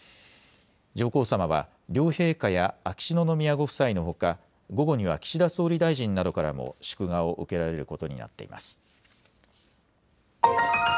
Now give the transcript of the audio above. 上皇さまは両陛下や秋篠宮ご夫妻のほか、午後には岸田総理大臣などからも祝賀を受けられることになっています。